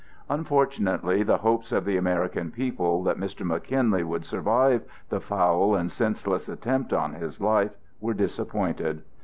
Unfortunately the hopes of the American people that Mr. McKinley would survive the foul and senseless attempt on his life were disappointed.